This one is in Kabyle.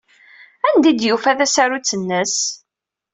Anda ay d-yufa tasarut-nnes?